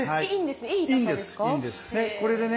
いいんですね。